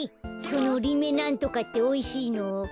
そのリメなんとかっておいしいの？